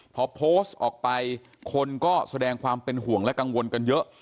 พอโพสต์ออกไปคนก็แสดงความเป็นห่วงและกังวลกันเยอะ